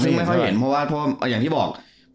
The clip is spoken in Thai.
ซึ่งไม่เคยเห็นเพราะว่าอย่างที่บอก